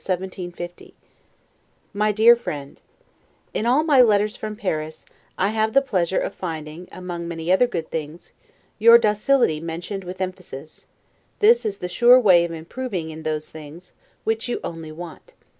1751 MY DEAR FRIEND: In all my letters from Paris, I have the pleasure of finding, among many other good things, your docility mentioned with emphasis; this is the sure way of improving in those things, which you only want.